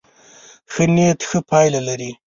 ښه نيت ښه پایله لري.